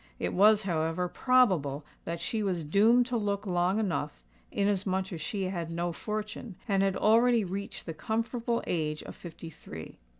It was, however, probable that she was doomed to look long enough, inasmuch as she had no fortune, and had already reached the comfortable age of fifty three.